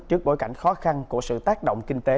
trước bối cảnh khó khăn của sự tác động kinh tế